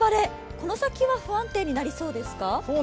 この先は不安定になりそうですか？